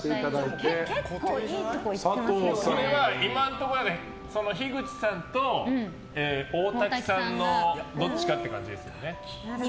これ、今のところ樋口さんと大瀧さんのどっちかって感じですよね。